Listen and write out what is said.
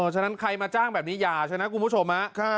ฉะนั้นใครมาจ้างแบบนี้อย่าชนะคุณผู้ชม